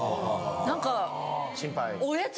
何か。